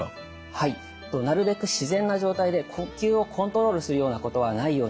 はいなるべく自然な状態で呼吸をコントロールするようなことはないようにしてみてください。